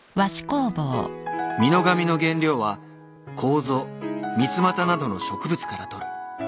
［美濃紙の原料はコウゾミツマタなどの植物から取る。